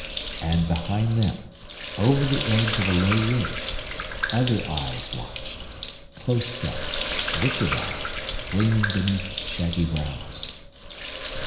And behind them, over the edge of a low ridge, other eyes watched—close set, wicked eyes, gleaming beneath shaggy brows.